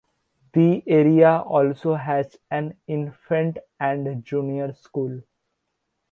The area also has an infant and junior school.